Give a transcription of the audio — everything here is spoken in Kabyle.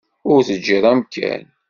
Ur teǧǧiḍ amkan.